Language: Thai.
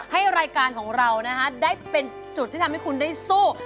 ให้รายการของเราได้เป็นจุดที่ทำให้คุณได้สู้